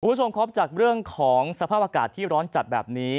คุณผู้ชมครับจากเรื่องของสภาพอากาศที่ร้อนจัดแบบนี้